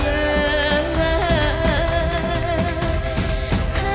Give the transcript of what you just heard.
เออ